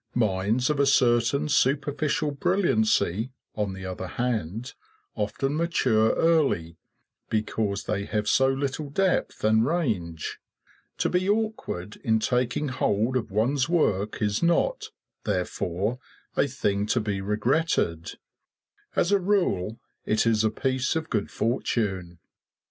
Minds of a certain superficial brilliancy, on the other hand, often mature early because they have so little depth and range. To be awkward in taking hold of one's work is not, therefore, a thing to be regretted; as a rule it is a piece of good fortune.